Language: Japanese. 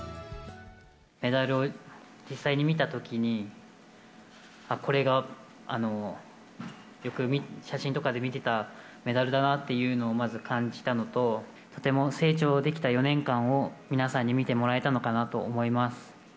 メダルを実際に見たときに、これが、よく写真とかで見てたメダルだなというのをまず感じたのと、とても成長できた４年間を、皆さんに見てもらえたのかなと思います。